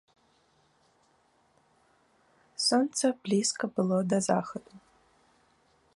Сонца блізка было да захаду.